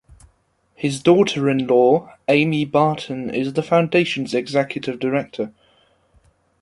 His daughter-in-law, Amy Barton, is the Foundation's Executive Director.